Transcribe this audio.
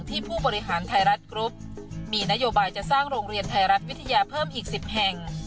ผู้บริหารไทยรัฐกรุ๊ปมีนโยบายจะสร้างโรงเรียนไทยรัฐวิทยาเพิ่มอีก๑๐แห่ง